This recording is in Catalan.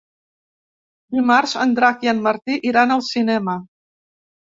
Dimarts en Drac i en Martí iran al cinema.